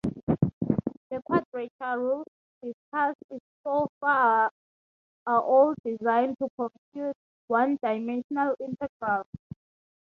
The quadrature rules discussed so far are all designed to compute one-dimensional integrals.